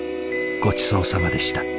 ごちそうさまでした。